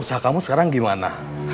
usaha kamu sekarang gimana